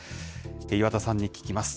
岩田さんに聞きます。